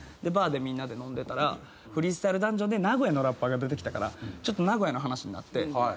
バーでみんなで飲んでたら『フリースタイルダンジョン』で名古屋のラッパーが出てきたからちょっと名古屋の話になって。